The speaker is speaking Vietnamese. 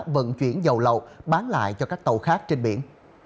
vận chuyển dầu lậu bán lại cho các tàu khác trên biển